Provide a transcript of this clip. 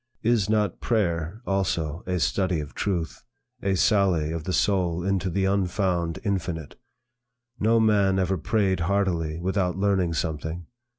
Is not prayer also a study of truth, a sally of the soul into the unfound infinite? No man ever prayed heartily, without learning something.